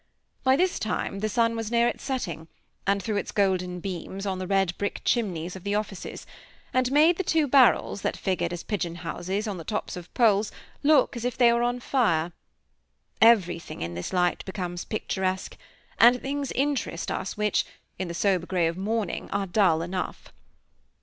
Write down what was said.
By this time the sun was near its setting, and threw its golden beams on the red brick chimneys of the offices, and made the two barrels, that figured as pigeon houses, on the tops of poles, look as if they were on fire. Everything in this light becomes picturesque; and things interest us which, in the sober grey of morning, are dull enough.